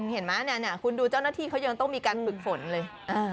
เห็นไหมคุณดูเจ้าหน้าที่เขายังต้องมีการฝึกฝนเลย